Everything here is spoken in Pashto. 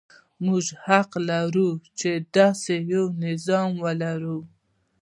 موږ حق لرو چې داسې یو نظام ولرو.